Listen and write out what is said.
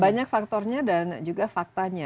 banyak faktornya dan juga faktanya